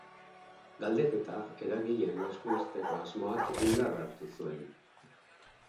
Galdeketa eragileen esku uzteko asmoak indarra hartu zuen.